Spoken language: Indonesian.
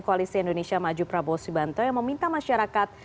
koalisi indonesia maju prabowo subianto yang meminta masyarakat